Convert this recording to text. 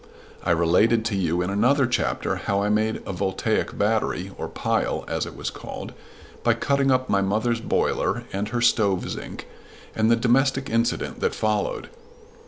I related to you in another chapter how I made a voltaic battery or pile, as it was called by cutting up my mother's boiler and her stove zinc, and the domestic incident that followed.